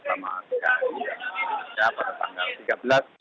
pada tanggal tiga belas